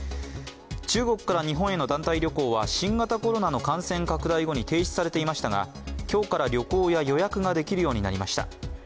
中国から日本への団体旅行は新型コロナの感染拡大後に停止されていましたが、今日から旅行や予約ができるようになりました。